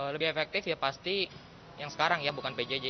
lebih efektif ya pasti yang sekarang ya bukan pjj